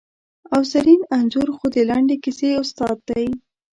او زرین انځور خو د لنډې کیسې استاد دی!